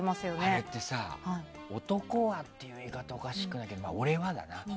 あれってさ、男はっていう言い方はよろしくないけど俺はだな。